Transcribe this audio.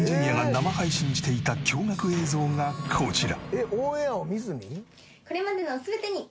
生配信していた驚愕映像がこちら。